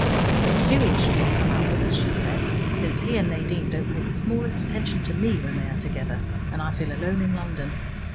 "But Hughie shall not come out with us," she said, "since he and Nadine don't pay the smallest attention to me, when they are together, and I feel alone in London.